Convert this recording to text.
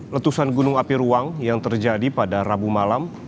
letusan gunung api ruang yang terjadi pada rabu malam